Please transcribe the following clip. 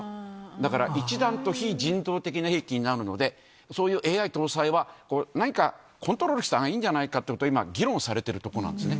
だから、一段と非人道的な兵器になるので、そういうＡＩ搭載は、何かコントロールしたほうがいいんじゃないかということを、今、議論されているところなんですね。